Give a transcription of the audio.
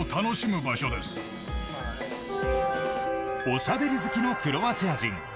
おしゃべり好きのクロアチア人。